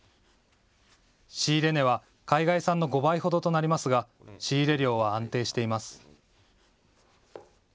仕入れ値は海外産の５倍ほどとなりますが仕入れ量は安定しています。